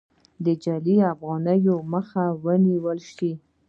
د جعلي افغانیو مخه نیول شوې؟